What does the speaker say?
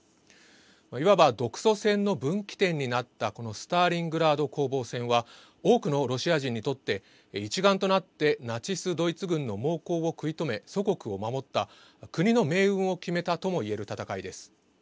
いわば独ソ戦の分岐点になったこのスターリングラード攻防戦は多くのロシア人にとって一丸となってナチス・ドイツ軍の猛攻を食い止め、祖国を守った国の命運を決めたとも言える戦いです。